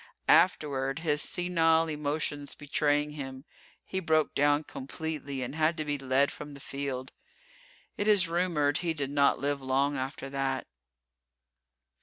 Afterward, his senile emotions betraying him, he broke down completely and had to be led from the field. It is rumored he did not live long after that.